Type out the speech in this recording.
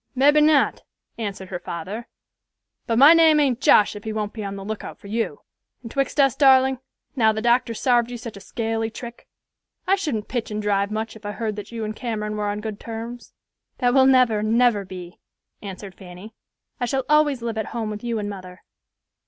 "Mebby not," answered her father; "but my name ain't Josh if he won't be on the lookout for you. And 'twixt us, darling, now the doctor's sarved you such a scaly trick, I shouldn't pitch and drive much if I heard that you and Cameron were on good terms." "That will never, never be," answered Fanny. "I shall always live at home with you and mother."